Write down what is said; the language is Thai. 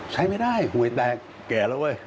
ใช้ไม่ได้หวยแตกแก่แล้วเว้ย